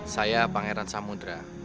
saya pangeran samudera